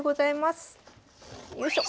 よいしょ。